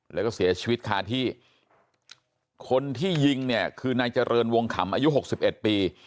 แล้วก็เสียชีวิตคาที่คนที่ยิงเนี่ยคือนายเจริญวงขำอายุหกสิบเอ็ดปี